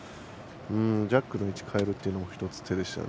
ジャックの位置を変えるのも１つ手でしたよね。